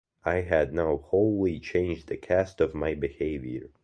I had now wholly changed the cast of my behaviour.